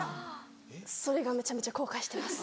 それがめちゃめちゃ後悔してます。